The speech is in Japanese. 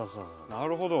なるほど。